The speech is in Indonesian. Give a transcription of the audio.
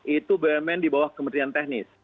itu bumn di bawah kementerian teknis